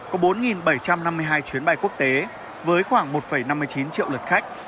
có bốn bảy trăm năm mươi hai chuyến bay quốc tế với khoảng một năm mươi chín triệu lượt khách